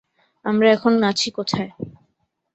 আমরা এখন আছি কোথায়?